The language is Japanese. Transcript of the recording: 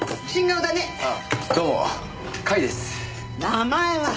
名前は？